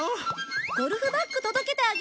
ゴルフバッグ届けてあげる！